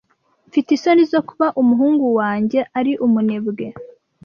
Mfite isoni zo kuba umuhungu wanjye ari umunebwe.